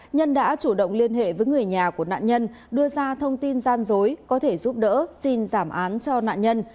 nhân đã chủ động liên hệ với người nhà của nạn nhân đưa ra thông tin gian dối có thể giúp đỡ xin giảm án cho nạn nhân